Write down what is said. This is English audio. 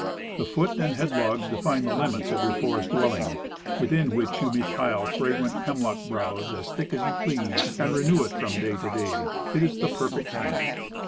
The foot and head logs define the limits of your forest dwelling; within which you may pile fragrant hemlock browse as thick as you please, and renew it from day to day. It is the perfect camp.